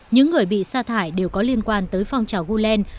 những người bị sa thải đều có liên quan tới phong trào gulen